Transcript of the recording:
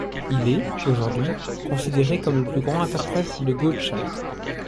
Il est, aujourd'hui, considéré comme le plus grand interprète de Gottschalk.